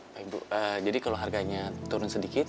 baik bu jadi kalau harganya turun sedikit